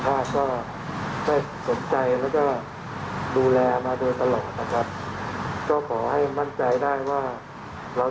ทั้งสองฝ่ายนะครับจะเป็นคำและถูกต้องตามตัวหมายอย่างที่สุดครับ